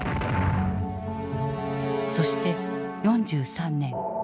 そして４３年。